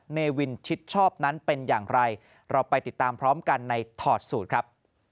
เนวินชิดชอบนั้นเป็นอย่างไรเราไปติดตามพร้อมกันในถอดสูตรครับ